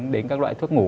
đến các loại thuốc ngủ